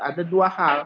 ada dua hal